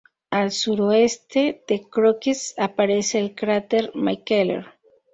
Al suroeste de Crookes aparece el cráter McKellar.